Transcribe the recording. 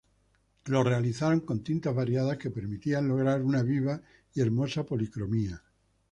Los realizaron con tintas variadas, que permitían lograr una viva y hermosa policromía.